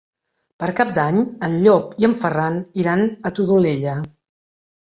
Per Cap d'Any en Llop i en Ferran iran a la Todolella.